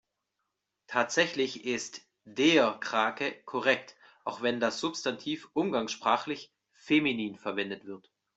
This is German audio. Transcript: Tatsächlich ist der Krake korrekt, auch wenn das Substantiv umgangssprachlich feminin verwendet wird.